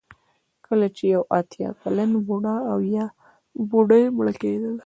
کله چې یو اتیا کلن بوډا او یا بوډۍ مړه کېدله.